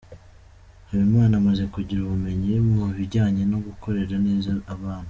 Habimana amaze kugira ubumenyi mu bijyanye no kurera neza abana.